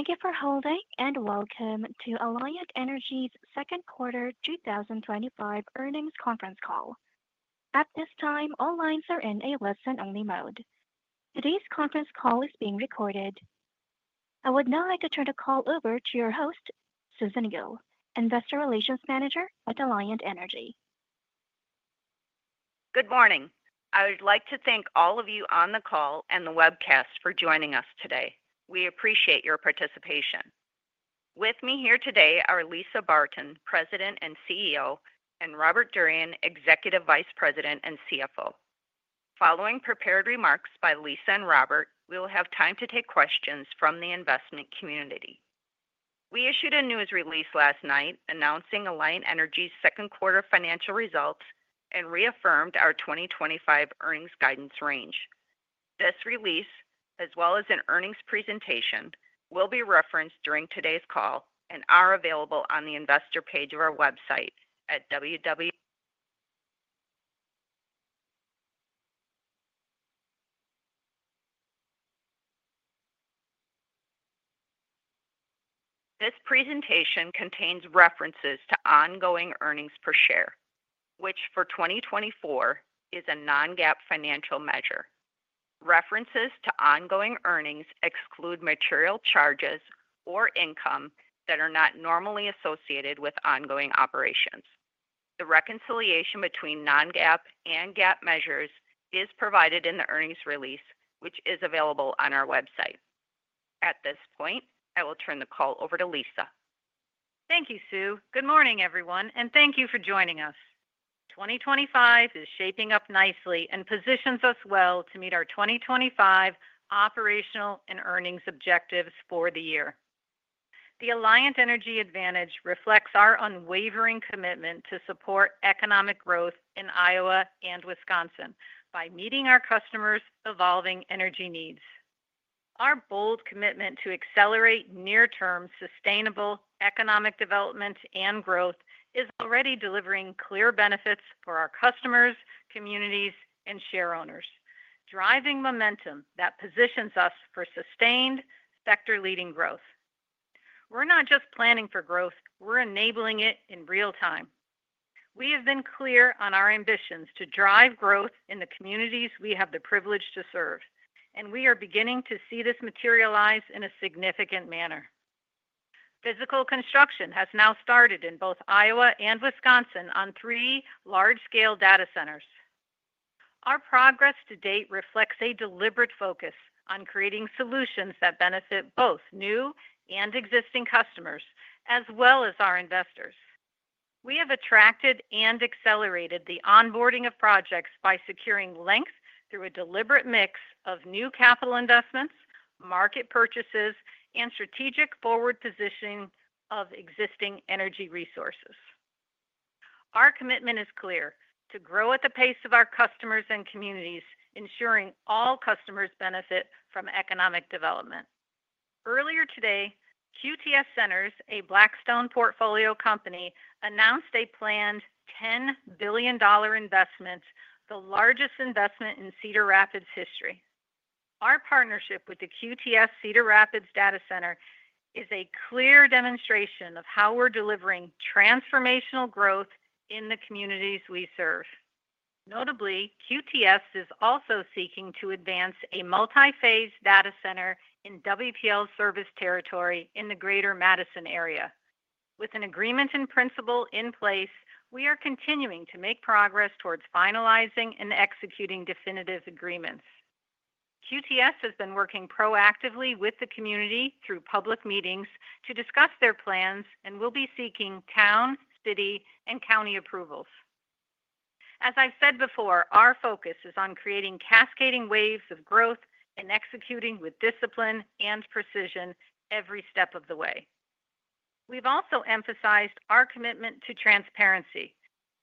Thank you for holding, and welcome to Alliant Energy's Second Quarter 2025 Earnings Conference Call. At this time, all lines are in a listen-only mode. Today's conference call is being recorded. I would now like to turn the call over to your host, Susan Gille, Investor Relations Manager at Alliant Energy. Good morning. I would like to thank all of you on the call and the webcast for joining us today. We appreciate your participation. With me here today are Lisa Barton, President and CEO, and Robert Durian, Executive Vice President and CFO. Following prepared remarks by Lisa and Robert, we will have time to take questions from the investment community. We issued a news release last night, announcing Alliant Energy's second-quarter financial results and reaffirmed our 2025 earnings guidance range. This release, as well as an earnings presentation, will be referenced during today's call and are available on the investor page of our website at www. This presentation contains references to ongoing earnings per share, which for 2024 is a non-GAAP financial measure. References to ongoing earnings exclude material charges or income that are not normally associated with ongoing operations. The reconciliation between non-GAAP and GAAP measures is provided in the earnings release, which is available on our website. At this point, I will turn the call over to Lisa. Thank you, Sue. Good morning, everyone, and thank you for joining us. 2025 is shaping up nicely, and positions us well to meet our 2025 operational and earnings objectives for the year. The Alliant Energy advantage reflects our unwavering commitment to support economic growth in Iowa and Wisconsin, by meeting our customers' evolving energy needs. Our bold commitment to accelerate near-term sustainable economic development and growth is already delivering clear benefits for our customers, communities, and shareholders, driving momentum that positions us for sustained, sector-leading growth. We're not just planning for growth, we're enabling it in real time. We have been clear on our ambitions to drive growth in the communities we have the privilege to serve, and we are beginning to see this materialize in a significant manner. Physical construction has now started in both Iowa and Wisconsin on three large-scale data centers. Our progress to date reflects a deliberate focus on creating solutions that benefit both new and existing customers, as well as our investors. We have attracted and accelerated the onboarding of projects by securing length through a deliberate mix of new capital investments, market purchases, and strategic forward positioning of existing energy resources. Our commitment is clear, to grow at the pace of our customers and communities, ensuring all customers benefit from economic development. Earlier today, QTS Centers, a Blackstone portfolio company, announced a planned $10 billion investment, the largest investment in Cedar Rapids' history. Our partnership with the QTS Cedar Rapids Data Center is a clear demonstration of how we're delivering transformational growth in the communities we serve. Notably, QTS is also seeking to advance a multi-phase data center in WPL service territory in the greater Madison area. With an agreement and principle in place, we are continuing to make progress towards finalizing and executing definitive agreements. QTS has been working proactively with the community through public meetings to discuss their plans, and will be seeking town, city, and county approvals. As I've said before, our focus is on creating cascading waves of growth and executing with discipline and precision every step of the way. We've also emphasized our commitment to transparency,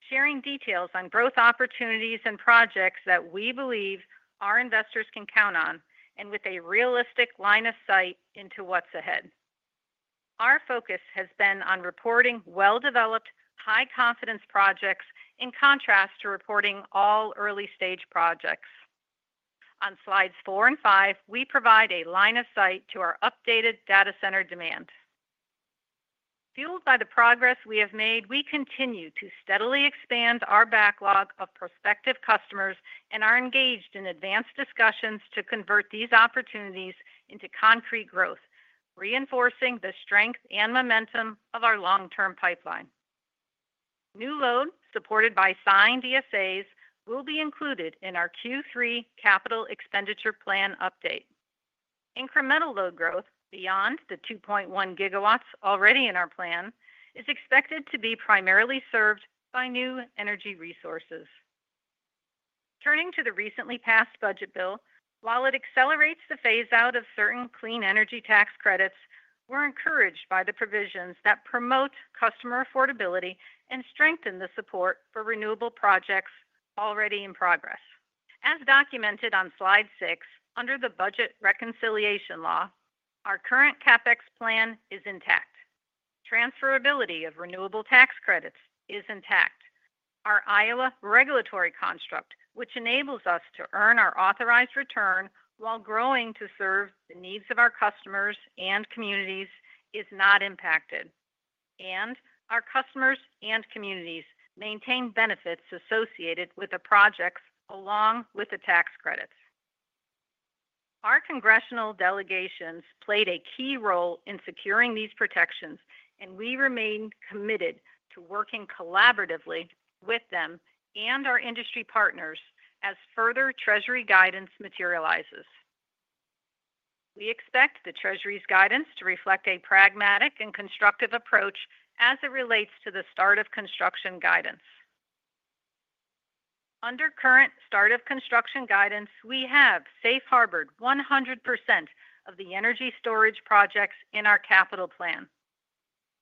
sharing details on growth opportunities and projects that we believe our investors can count on, and with a realistic line of sight into what's ahead. Our focus has been on reporting well-developed, high-confidence projects, in contrast to reporting all early-stage projects. On slides four and five, we provide a line of sight to our updated data center demand. Fueled by the progress we have made, we continue to steadily expand our backlog of prospective customers and are engaged in advanced discussions to convert these opportunities into concrete growth, reinforcing the strength and momentum of our long-term pipeline. New [load] supported by signed ESAs will be included in our Q3 capital expenditure plan update. Incremental load growth beyond the 2.1 GW already in our plan is expected to be primarily served by new energy resources. Turning to the recently passed budget bill, while it accelerates the phase-out of certain clean energy tax credits, we're encouraged by the provisions that promote customer affordability and strengthen the support for renewable projects already in progress. As documented on slide six, under the Budget Reconciliation law, our current CapEx plan is intact. Transferability of renewable tax credits is intact. Our Iowa regulatory construct, which enables us to earn our authorized return while growing to serve the needs of our customers and communities, is not impacted. Our customers and communities maintain benefits associated with the projects, along with the tax credits. Our congressional delegations played a key role in securing these protections, and we remain committed to working collaboratively with them and our industry partners as further Treasury guidance materializes. We expect the Treasury's guidance to reflect a pragmatic and constructive approach as it relates to the start-of-construction guidance. Under current start-of-construction guidance, we have safe-harbored 100% of the energy storage projects in our capital plan,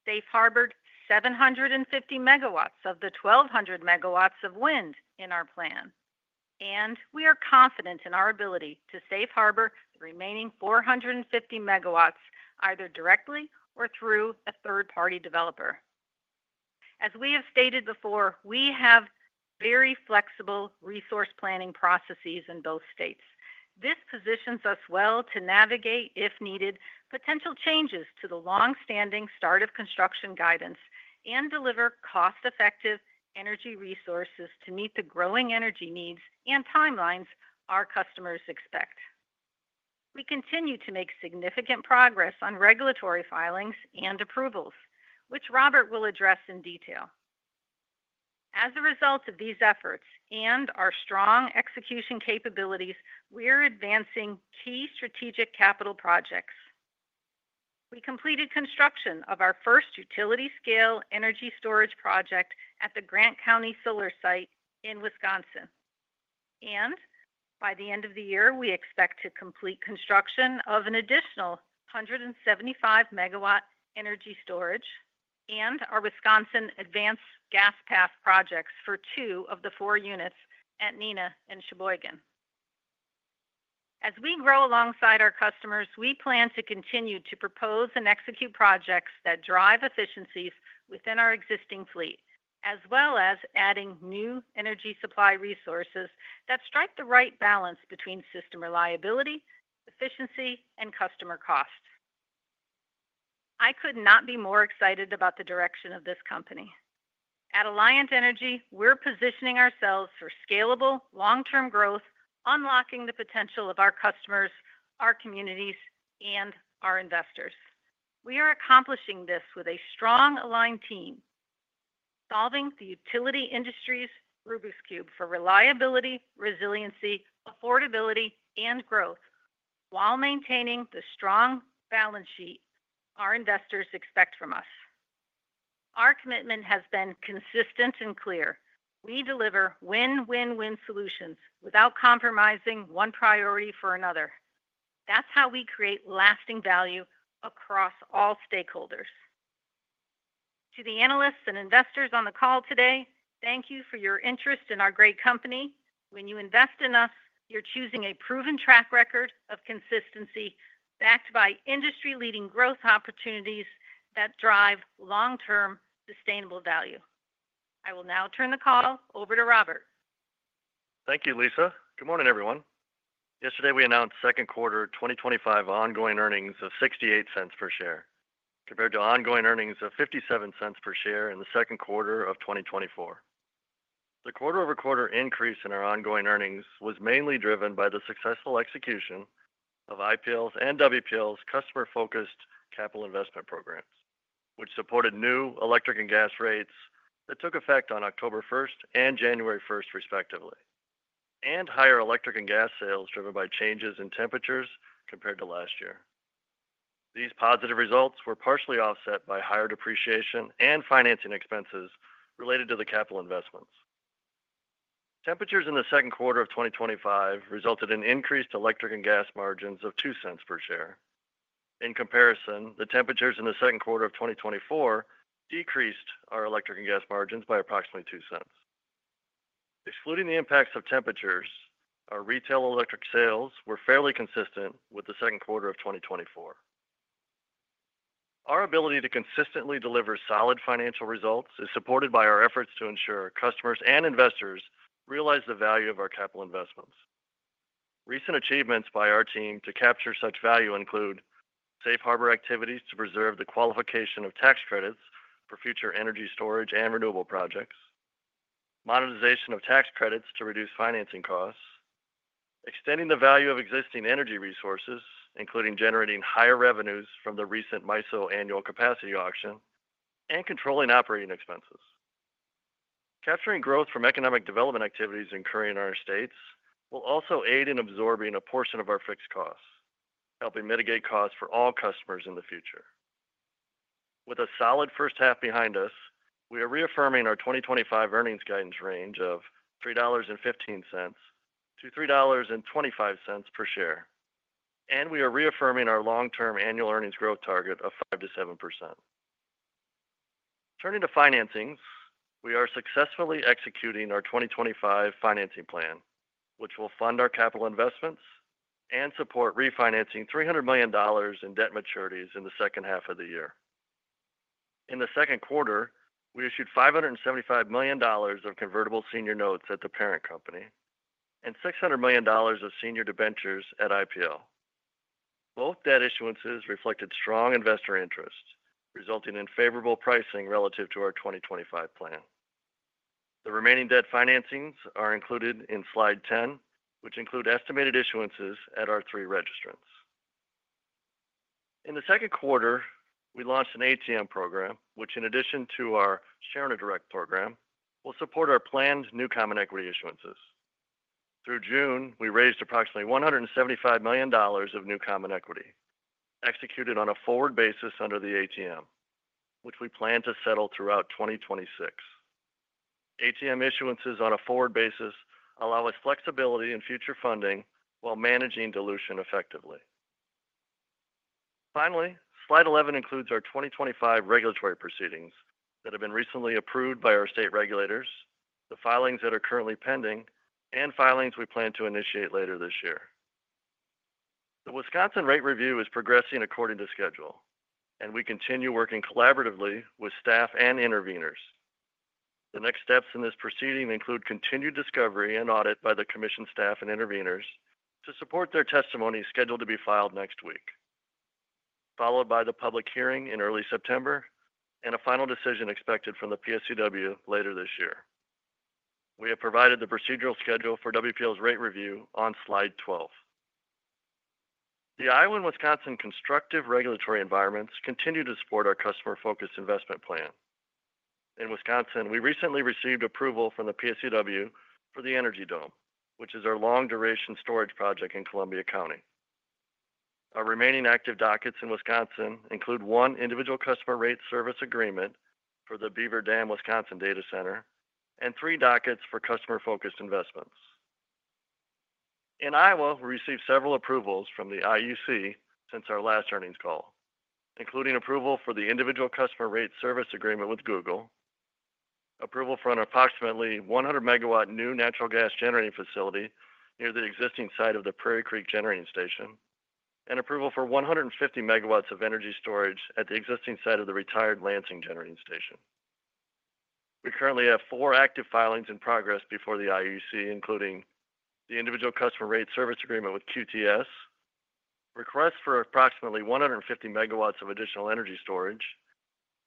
safe-harbored 750 MW of the 1,200 MW of wind in our plan, and we are confident in our ability to safe-harbor the remaining 450 MW either directly or through a third-party developer. As we have stated before, we have very flexible resource planning processes in both states. This positions us well to navigate, if needed, potential changes to the longstanding start-of-construction guidance, and deliver cost-effective energy resources to meet the growing energy needs and timelines our customers expect. We continue to make significant progress on regulatory filings and approvals, which Robert will address in detail. As a result of these efforts and our strong execution capabilities, we are advancing key strategic capital projects. We completed construction of our first utility-scale energy storage project at the Grant County Solar Site in Wisconsin. By the end of the year, we expect to complete construction of an additional 175 MW energy storage, and our Wisconsin Advanced Gas Path projects for two of the four units at Neenah and Sheboygan. As we grow alongside our customers, we plan to continue to propose and execute projects that drive efficiencies within our existing fleet, as well as adding new energy supply resources that strike the right balance between system reliability, efficiency, and customer cost. I could not be more excited about the direction of this company. At Alliant Energy, we're positioning ourselves for scalable, long-term growth, unlocking the potential of our customers, our communities, and our investors. We are accomplishing this with a strong, aligned team, solving the utility industry's Rubik's Cube for reliability, resiliency, affordability, and growth, while maintaining the strong balance sheet our investors expect from us. Our commitment has been consistent and clear. We deliver win-win-win solutions, without compromising one priority for another. That's how we create lasting value across all stakeholders. To the analysts and investors on the call today, thank you for your interest in our great company. When you invest in us, you're choosing a proven track record of consistency, backed by industry-leading growth opportunities that drive long-term, sustainable value. I will now turn the call over to Robert. Thank you, Lisa. Good morning, everyone. Yesterday, we announced second-quarter 2025 ongoing earnings of $0.68 per share, compared to ongoing earnings of $0.57 per share in the second quarter of 2024. The quarter-over-quarter increase in our ongoing earnings was mainly driven by the successful execution of IPL's and WPL's customer-focused capital investment programs, which supported new electric and gas rates that took effect on October 1st and January 1st, respectively, and higher electric and gas sales driven by changes in temperatures compared to last year. These positive results were partially offset by higher depreciation and financing expenses related to the capital investments. Temperatures in the second quarter of 2025 resulted in increased electric and gas margins of $0.02 per share. In comparison, the temperatures in the second quarter of 2024 decreased our electric and gas margins by approximately $0.02. Excluding the impacts of temperatures, our retail electric sales were fairly consistent with the second quarter of 2024. Our ability to consistently deliver solid financial results is supported by our efforts to ensure customers and investors realize the value of our capital investments. Recent achievements by our team to capture such value include, safe harbor activities to preserve the qualification of tax credits for future energy storage and renewable projects, modernization of tax credits to reduce financing costs, extending the value of existing energy resources, including generating higher revenues from the recent MISO annual capacity auction and controlling operating expenses. Capturing growth from economic development activities occurring in our states will also aid in absorbing a portion of our fixed costs, helping mitigate costs for all customers in the future. With a solid first half behind us, we are reaffirming our 2025 earnings guidance range of $3.15-$3.25 per share, and we are reaffirming our long-term annual earnings growth target of 5%-7%. Turning to financing, we are successfully executing our 2025 financing plan, which will fund our capital investments and support refinancing $300 million in debt maturities in the second half of the year. In the second quarter, we issued $575 million of convertible senior notes at the parent company, and $600 million of senior debentures at IPL. Both debt issuances reflected strong investor interests, resulting in favorable pricing relative to our 2025 plan. The remaining debt financings are included in slide 10, which include estimated issuances at our three registrants. In the second quarter, we launched an ATM program, which in addition to our Shareowner Direct program, will support our planned new common equity issuances. Through June, we raised approximately $175 million of new common equity, executed on a forward basis under the ATM, which we plan to settle throughout 2026. ATM issuances on a forward basis, allow us flexibility in future funding, while managing dilution effectively. Finally, slide 11 includes our 2025 regulatory proceedings that have been recently approved by our state regulators, the filings that are currently pending and filings we plan to initiate later this year. The Wisconsin rate review is progressing according to schedule, and we continue working collaboratively with staff and interveners. The next steps in this proceeding include continued discovery and audit by the commission staff and interveners, to support their testimony scheduled to be filed next week, followed by the public hearing in early September and a final decision expected from the PSCW later this year. We have provided the procedural schedule for WPL's rate review on slide 12. The Iowa and Wisconsin constructive regulatory environments continue to support our customer-focused investment plan. In Wisconsin, we recently received approval from the PSCW for the Energy Dome, which is our long-duration storage project in Columbia County. Our remaining active dockets in Wisconsin include one individual customer rate service agreement for the Beaver Dam, Wisconsin data center, and three dockets for customer-focused investments. In Iowa, we received several approvals from the IUC since our last earnings call, including approval for the individual customer rate service agreement with Google, approval for an approximately 100 MW new natural gas generating facility near the existing site of the Prairie Creek Generating Station, and approval for 150 MW of energy storage at the existing site of the retired Lansing Generating Station. We currently have four active filings in progress before the IUC, including the individual customer rate service agreement with QTS, requests for approximately 150 MW of additional energy storage,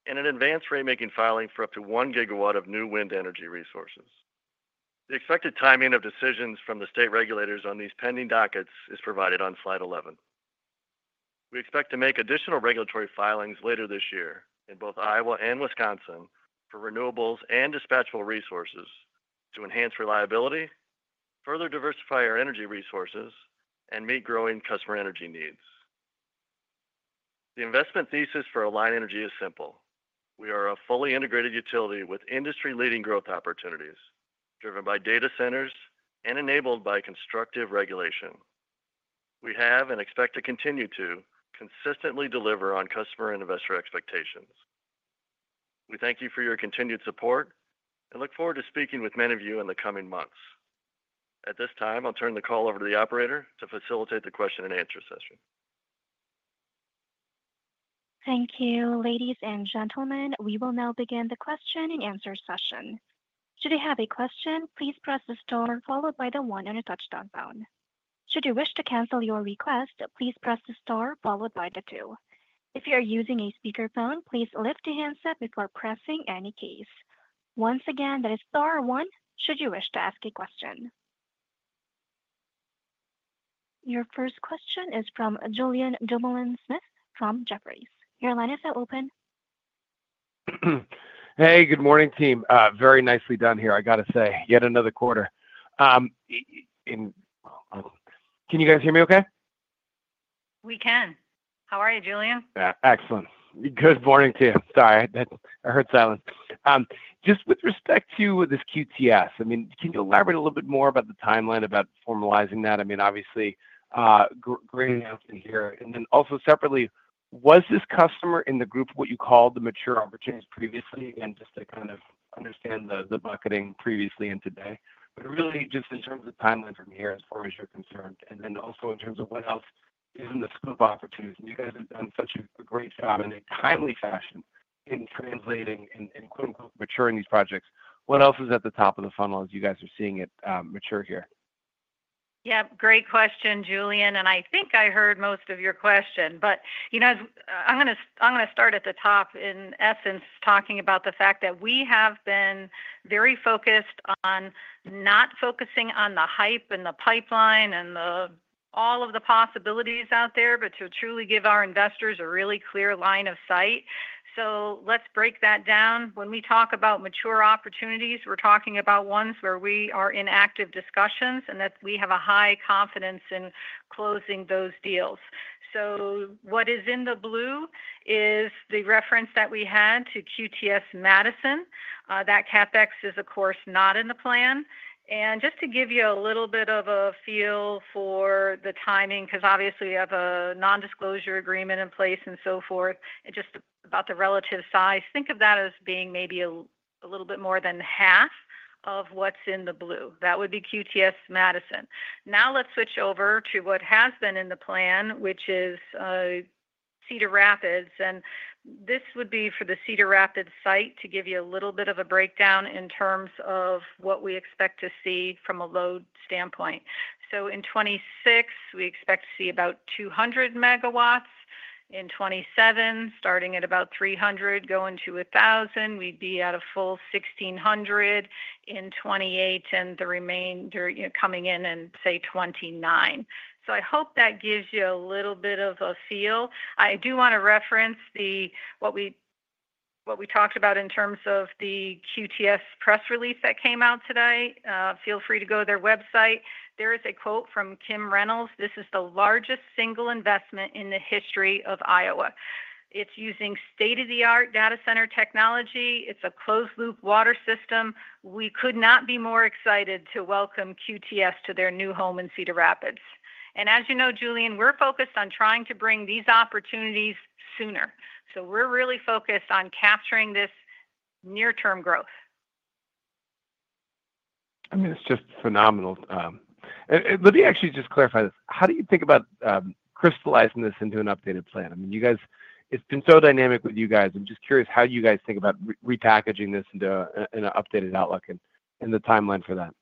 and an advanced rate-making filing for up to 1 GW of new wind energy resources. The expected timing of decisions from the state regulators on these pending dockets is provided on slide 11. We expect to make additional regulatory filings later this year in both Iowa and Wisconsin for renewables and dispatchable resources to enhance reliability, further diversify our energy resources and meet growing customer energy needs. The investment thesis for Alliant Energy is simple. We are a fully integrated utility with industry-leading growth opportunities, driven by data centers and enabled by constructive regulation. We have and expect to continue to consistently deliver on customer and investor expectations. We thank you for your continued support, and look forward to speaking with many of you in the coming months. At this time, I'll turn the call over to the operator to facilitate the question-and-answer session. Thank you, ladies and gentlemen. We will now begin the question-and-answer session. Should you have a question, please press the star followed by the one on your touch-tone phone. Should you wish to cancel your request, please press the star followed by the two. If you are using a speakerphone, please lift your handset before pressing any keys. Once again, that is star, one should you wish to ask a question. Your first question is from Julien Dumoulin-Smith from Jefferies. Your line is now open. Hey, good morning, team. Very nicely done here, I got to say. Yet another quarter. Can you guys hear me okay? We can. How are you, Julien? Excellent. Good morning, team. Sorry, I heard silence. Just with respect to this QTS, can you elaborate a little bit more about the timeline about formalizing that? Obviously, great announcement here. Also separately, was this customer in the group of what you called the mature opportunities previously? Again, just to understand the bucketing previously and today. Really, just in terms of the timeline from here as far as you're concerned and also in terms of what else is in the scoop of opportunities, you guys have done such a great job in a timely fashion in translating and "maturing" these projects. What else is at the top of the funnel as you guys are seeing it mature here? Yeah. Great question, Julien. I think I heard most of your question. I'm going to start at the top in essence, talking about the fact that we have been very focused on not focusing on the hype and the pipeline, and all of the possibilities out there, but to truly give our investors a really clear line of sight. Let's break that down. When we talk about mature opportunities, we're talking about ones where we are in active discussions, and that we have a high confidence in closing those deals. What is in the blue is the reference that we had to QTS Madison. That CapEx is of course not in the plan. Just to give you a little bit of a feel for the timing, because obviously we have a non-disclosure agreement in place and so forth and just about the relative size, think of that as being maybe a little bit more than half of what's in the blue. That would be QTS Madison. Now let's switch over to what has been in the plan, which is Cedar Rapids. This would be for the Cedar Rapids site, to give you a little bit of a breakdown in terms of what we expect to see from a load standpoint. In 2026, we expect to see about 200 MW. In 2027, starting at about 300 MW, going to 1,000 MW, We'd be at a full 1,600 MW in 2028, and the remainder coming in in 2029. I hope that gives you a little bit of a feel. I do want to reference what we talked about in terms of the QTS press release that came out today. Feel free to go to their website. There is a quote from Kim Reynolds. This is the largest single investment in the history of Iowa. It's using state-of-the-art data center technology. It's a closed-loop water system. We could not be more excited to welcome QTS to their new home in Cedar Rapids. As you know, Julien, we're focused on trying to bring these opportunities sooner. We're really focused on capturing this near-term growth. It's just phenomenal. Let me actually clarify, how do you think about crystallizing this into an updated plan? You guys, it's been so dynamic with you guys. I'm just curious, how do you guys think about repackaging this into an updated outlook and the timeline for that?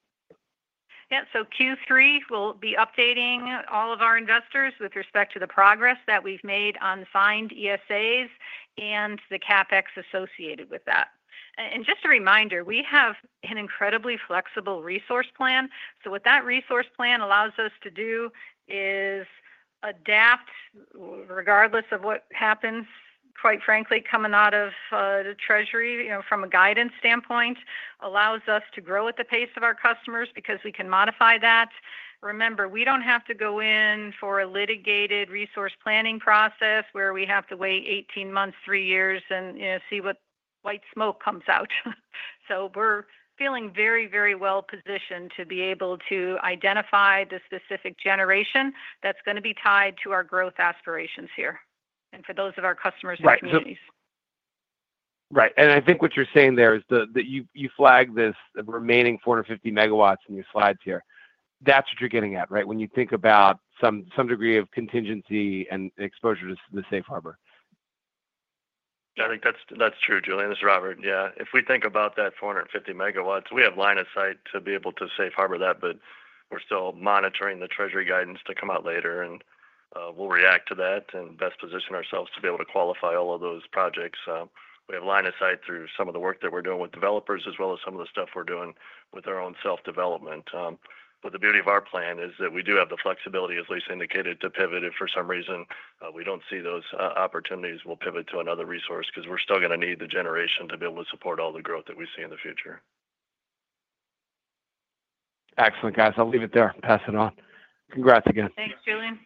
Yeah. Q3, we'll be updating all of our investors with respect to the progress that we've made on the signed ESAs and the CapEx associated with that. Just a reminder, we have an incredibly flexible resource plan. What that resource plan allows us to do is adapt regardless of what happens quite frankly coming out of the Treasury, from a guidance standpoint, allows us to grow at the pace of our customers because we can modify that. Remember, we don't have to go in for a litigated resource planning process where we have to wait 18 months, three years and see what white smoke comes out. We're feeling very, very well-positioned to be able to identify the specific generation that's going to be tied to our growth aspirations here, and for those of our customers and communities. Right. I think what you're saying there is that you flag this remaining 450 MW in your slides here. That's what you're getting at, right? When you think about some degree of contingency and exposure to the safe harbor. I think that's true, Julien. This is Robert. Yeah, if we think about that 450 MW, we have line of sight to be able to safe harbor that, but we're still monitoring the Treasury guidance to come out later. We'll react to that, and best position ourselves to be able to qualify all of those projects. We have line of sight through some of the work that we're doing with developers, as well as some of the stuff we're doing with our own self-development. The beauty of our plan is that we do have the flexibility, as Lisa indicated, to pivot if for some reason, we don't see those opportunities. We'll pivot to another resource because we're still going to need the generation to be able to support all the growth that we see in the future. Excellent, guys. I'll leave it there. Pass it on. Congrats again. Thanks, Julien.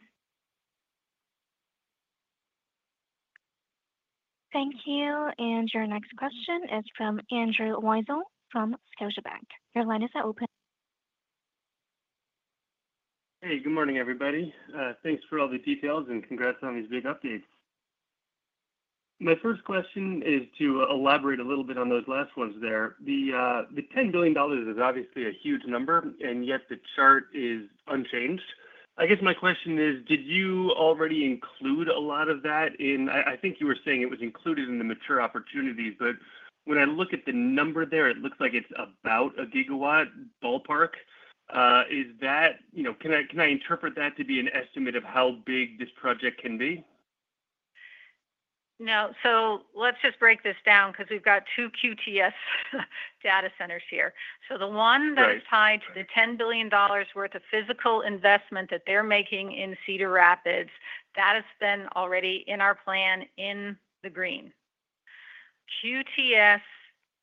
Thank you. Your next question is from Andrew Weisel from Scotiabank. Your line is now open. Hey. Good morning, everybody. Thanks for all the details, and congrats on these big updates. My first question is to elaborate a little bit on those last ones there. The $10 billion is obviously a huge number, and yet the chart is unchanged. I guess my question is, did you already include a lot of that, I think you were saying it was included in the mature opportunities, but when I look at the number there, it looks like it's about 1 GW ballpark. Can I interpret that to be an estimate of how big this project can be? No. Let's just break this down because we've got two QTS Data Centers here. The one that was tied to the $10 billion worth of physical investment that they're making in Cedar Rapids, that has been already in our plan in the green. QTS,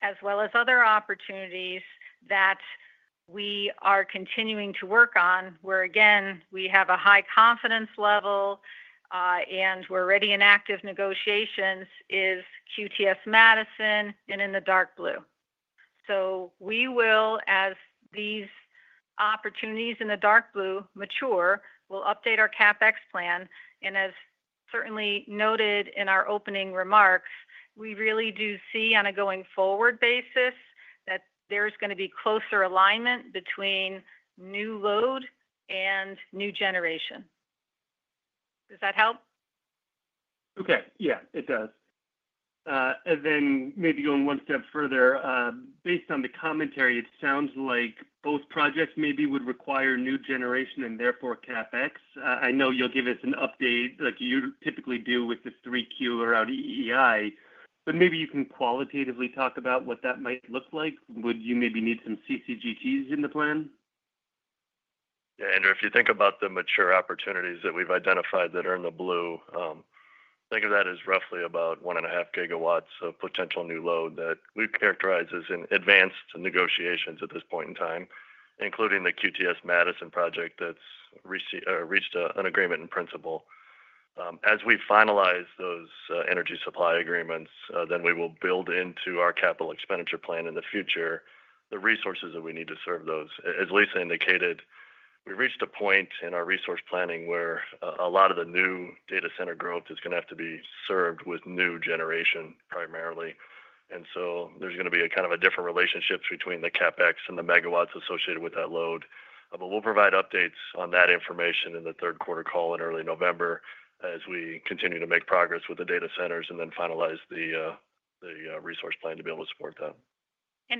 as well as other opportunities that we are continuing to work on, where again we have a high confidence level and we're already in active negotiations, is QTS Madison and in the dark blue. As these opportunities in the dark blue mature, we'll update our CapEx plan. As certainly noted in our opening remarks, we really do see on a going-forward basis that there's going to be closer alignment between new load and new generation. Does that help? Okay. Yeah, it does. Maybe going one step further, based on the commentary, it sounds like both projects maybe would require new generation and therefore CapEx. I know you'll give us an update like you typically do with the 3Q or out EEI, but maybe you can qualitatively talk about what that might look like. Would you maybe need some CCGTs in the plan? Yeah, Andrew. If you think about the mature opportunities that we've identified that are in the blue, think of that as roughly about 1.5 GW of potential new load that we characterize as advanced negotiations at this point in time, including the QTS Madison project that's reached an agreement in principle. As we finalize those energy supply agreements, then we will build into our capital expenditure plan in the future, the resources that we need to serve those. As Lisa indicated, we reached a point in our resource planning where a lot of the new data center growth is going to have to be served with new generation primarily. There is going to be a different relationship between the CapEx and the megawatts associated with that load. We'll provide updates on that information in the third quarter call in early November, as we continue to make progress with the data centers and then finalize the resource plan to be able to support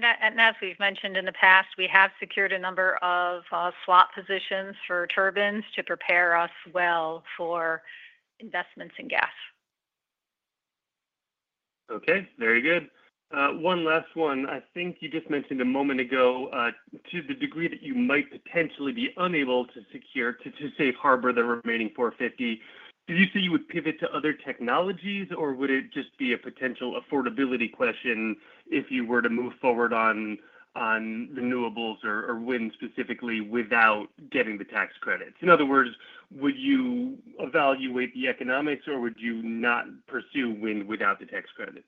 that. As we've mentioned in the past, we have secured a number of slot positions for turbines, to prepare us well for investments in gas. Okay, very good. One last one, I think you just mentioned a moment ago, to the degree that you might potentially be unable to secure to safe harbor the remaining $450 million, do you say you would pivot to other technologies, or would it just be a potential affordability question if you were to move forward on renewables or wind specifically without getting the tax credits? In other words, would you evaluate the economics or would you not pursue wind without the tax credits?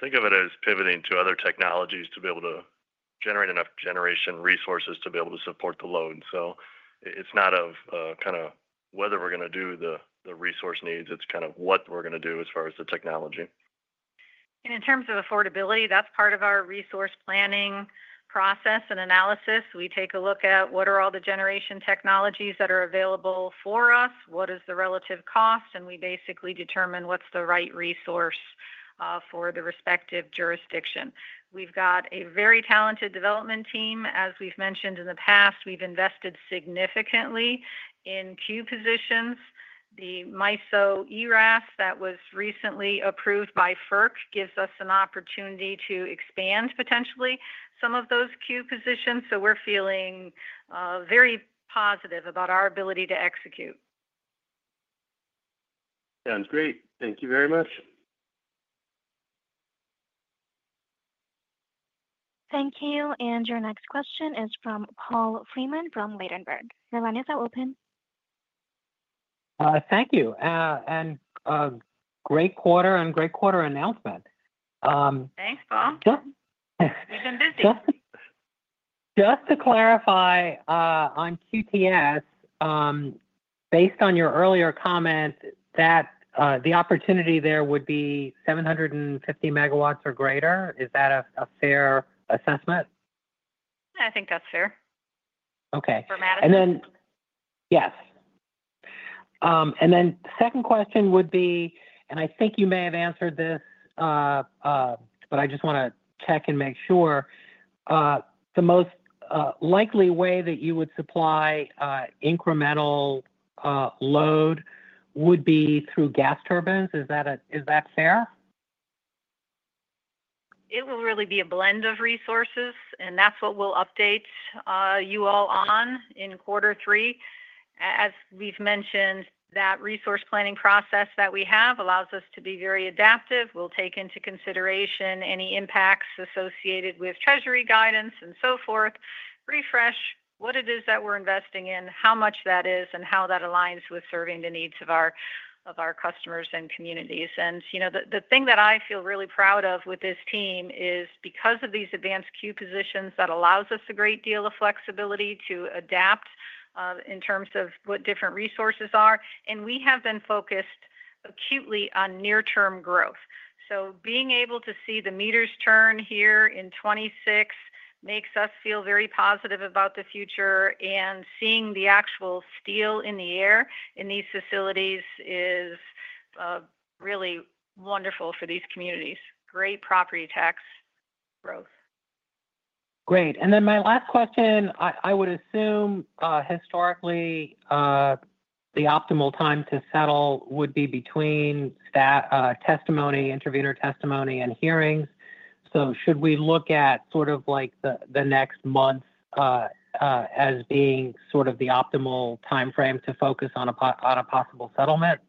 Think of it as pivoting to other technologies, to be able to generate enough generation resources to be able to support the load. It's not whether we're going to do the resource needs. It's what we're going to do as far as the technology. In terms of affordability, that's part of our resource planning process and analysis. We take a look at, what are all the generation technologies that are available for us, what is the relative cost? We basically determine, what's the right resource for the respective jurisdiction? We've got a very talented development team. As we've mentioned in the past, we've invested significantly in queue positions. The MISO ERAS that was recently approved by FERC, gives us an opportunity to expand potentially some of those queue positions. We're feeling very positive about our ability to execute. Sounds great. Thank you very much. Thank you. Your next question is from Paul Fremont from Ladenburg. Your line is now open. Thank you. Great quarter and great quarter announcement. Thanks, Paul. Yeah. We've been busy. Just to clarify on QTS, based on your earlier comment that the opportunity there would be 750 MW or greater, is that a fair assessment? I think that's fair. Okay. For Madison. Yes. The second question would be, and I think you may have answered this, but I just want to check and make sure, the most likely way that you would supply incremental load would be through gas turbines. Is that fair? It will really be a blend of resources, and that's what we'll update you all on in quarter three. As we've mentioned, that resource planning process that we have allows us to be very adaptive. We'll take into consideration any impacts associated with Treasury guidance and so forth, refresh what it is that we're investing in, how much that is and how that aligns with serving the needs of our customers and communities. The thing that I feel really proud of with this team is because of these advanced Q positions that allows us a great deal of flexibility to adapt in terms of what different resources are, we have been focused acutely on near-term growth. Being able to see the meters turn here in 2026 makes us feel very positive about the future. Seeing the actual steel in the air in these facilities is really wonderful for these communities. Great property tax growth. Great. My last question, I would assume historically the optimal time to settle would be between intervener testimony and hearings. Should we look at the next month as being the optimal timeframe to focus on a possible settlement?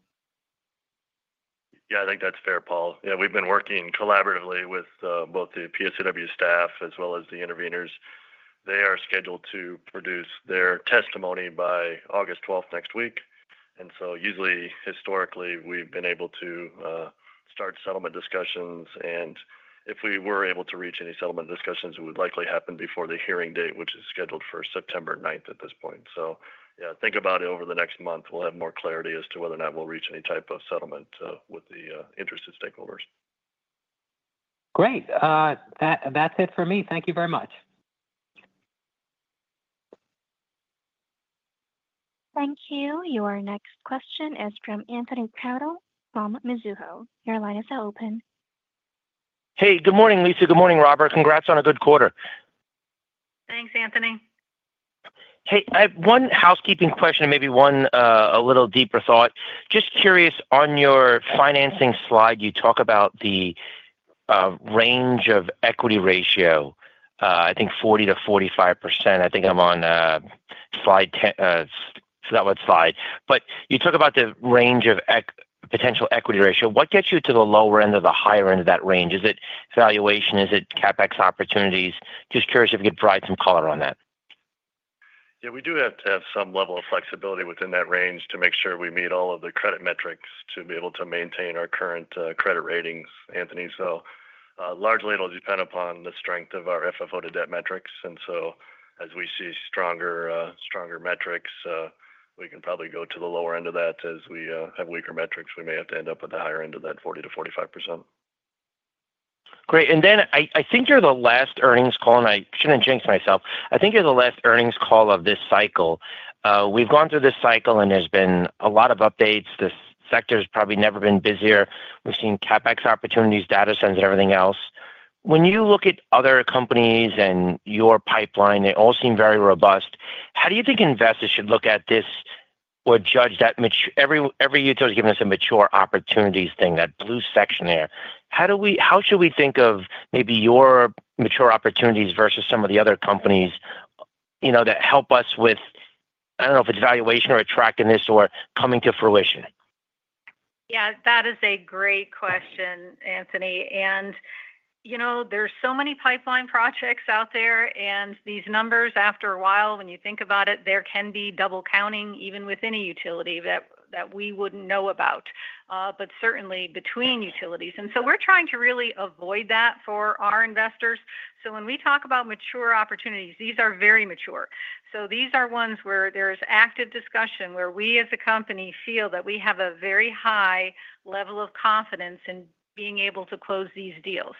Yeah. I think that's fair, Paul. We've been working collaboratively with both the PSCW staff as well as the interveners. They are scheduled to produce their testimony by August 12th next week. Usually, historically, we've been able to start settlement discussions. If we were able to reach any settlement discussions, it would likely happen before the hearing date, which is scheduled for September 9th at this point. Think about it, over the next month, we'll have more clarity as to whether or not we'll reach any type of settlement with the interested stakeholders. Great. That's it for me. Thank you very much. Thank you. Your next question is from Anthony Crowdell from Mizuho. Your line is now open. Hey. Good morning, Lisa. Good morning, Robert. Congrats on a good quarter. Thanks, Anthony. Hey, I have one housekeeping question and maybe one a little deeper thought. Just curious, on your financing slide, you talk about the range of equity ratio, I think 40%-45%. I think I'm on slide 10, what slide? You talk about the range of potential equity ratio. What gets you to the lower end or the higher end of that range? Is it valuation? Is it CapEx opportunities? Just curious if you could drive some color on that. Yeah, we do have to have some level of flexibility within that range, to make sure we meet all of the credit metrics to be able to maintain our current credit ratings, Anthony. Largely, it'll depend upon the strength of our FFO to debt metrics. As we see stronger metrics, we can probably go to the lower end of that. As we have weaker metrics, we may have to end up at the higher end of that 40%-45%. Great, I shouldn't jinx myself. I think you're the last earnings call of this cycle. We've gone through this cycle, and there's been a lot of updates. This sector has probably never been busier. We've seen CapEx opportunities, data centers, and everything else. When you look at other companies and your pipeline, they all seem very robust. How do you think investors should look at this or judge that? Every utility is giving us a mature opportunities thing, that blue section there. How should we think of maybe your mature opportunities versus some of the other companies that help us with, I don't know if it's valuation attracting this or coming to fruition? Yeah, so that is a great question, Anthony. There are so many pipeline projects out there, and these numbers, after a while, when you think about it, there can be double-counting even within a utility that we wouldn't know about, but certainly between utilities. We are trying to really avoid that for our investors. When we talk about mature opportunities, these are very mature. These are ones where there is active discussion, where we as a company feel that we have a very high level of confidence in being able to close these deals.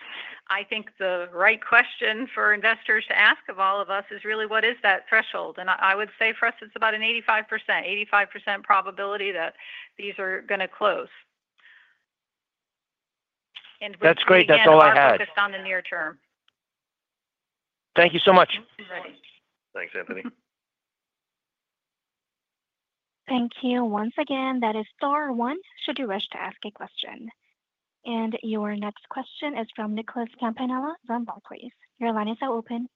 I think the right question for investors to ask of all of us is really, what is that threshold? I would say for us, it's about an 85% probability that these are going to close. That's great. That's all I had. focused on the near term. Thank you so much. Thanks. Thanks, Anthony. Thank you. Once again, that is star, one should you wish to ask a question. Your next question is from Nicholas Campanella from Barclays. Your line is now open.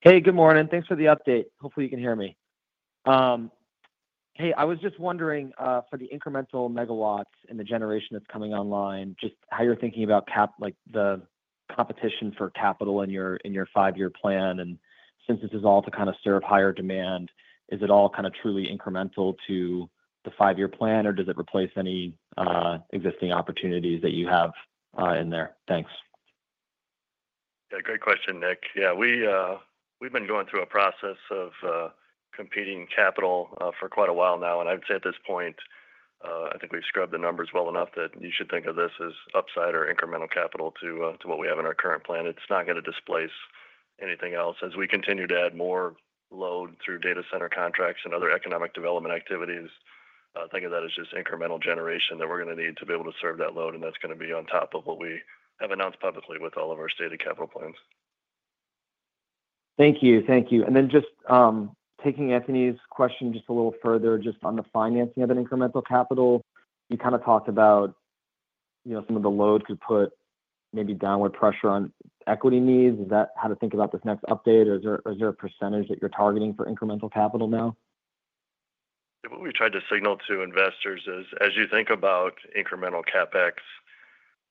Hey, good morning. Thanks for the update. Hopefully, you can hear me. Hey, I was just wondering, for the incremental megawatts and the generation that's coming online, just how you're thinking about the competition for capital in your five-year plan. Since this is all to serve higher demand, is it all truly incremental to the five-year plan or does it replace any existing opportunities that you have in there? Thanks. Yeah, a great question, Nick. We've been going through a process of competing capital for quite a while now. I would say at this point, I think we've scrubbed the numbers well enough that you should think of this as upside or incremental capital to what we have in our current plan. It's not going to displace anything else. As we continue to add more load through data center contracts and other economic development activities, think of that as just incremental generation that we're going to need to be able to serve that load. That's going to be on top of what we have announced publicly with all of our stated capital plans. Thank you. Taking Anthony's question just a little further, just on the financing of incremental capital, you talked about some of the load could put maybe downward pressure on equity needs. Is that how to think about this next update, or is there a percentage that you're targeting for incremental capital now? What we tried to signal to investors is, as you think about incremental CapEx,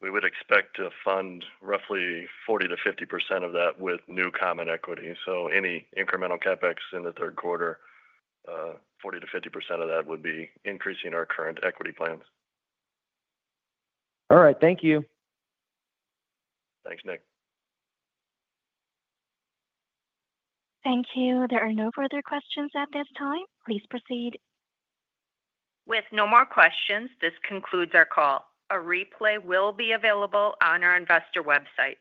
we would expect to fund roughly 40%-50% of that with new common equity. Any incremental CapEx in the third quarter, 40%-50% of that would be increasing our current equity plans. All right, thank you. Thanks, Nick. Thank you. There are no further questions at this time. Please proceed. With no more questions, this concludes our call. A replay will be available on our investor website.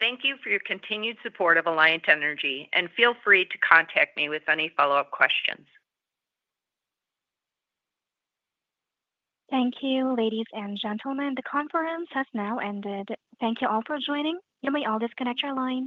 Thank you for your continued support of Alliant Energy, and feel free to contact me with any follow-up questions. Thank you, ladies and gentlemen. The conference has now ended. Thank you all for joining. You may all disconnect your lines.